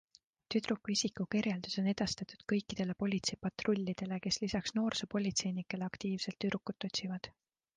Tüdruku isikukirjeldus on edastatud kõikidele politseipatrullidele, kes lisaks noorsoopolitseinikele aktiivselt tüdrukut otsivad.